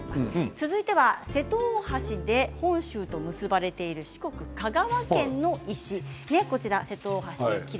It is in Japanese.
続いて瀬戸大橋で本州と結ばれている四国・香川県の石。